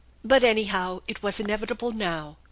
But anyhow it was inevitable now.